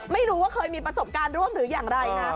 ไม่รู้ว่าเคยมีประสบการณ์ร่วมหรืออย่างไรนะ